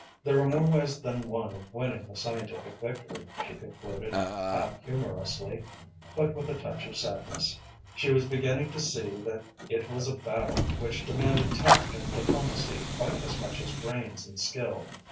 There were more ways than one of winning a scientific victory, she concluded, half humorously, but with a touch of sadness. She was beginning to see that it was a battle which demanded tact and diplomacy quite as much as brains and skill.